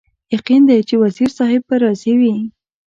یقین دی چې وزیر صاحب به راضي وي.